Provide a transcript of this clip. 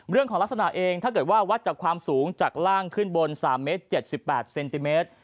เรื่องของลักษณะเองถ้าเกิดว่าวัดจากความสูงจากล่างขึ้นบนสามเมตรเจ็ดสิบแปดเซนติเมตร